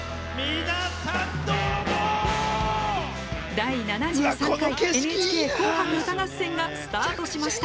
「第７３回ＮＨＫ紅白歌合戦」がスタートしました。